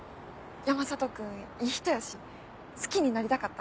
山里君いい人やし好きになりたかった。